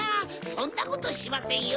そんなことしませんよ